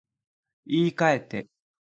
言い換えて